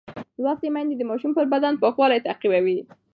لوستې میندې د ماشوم پر بدن پاکوالی تعقیبوي.